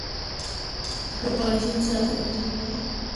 La propagación se hace a partir de brotes laterales.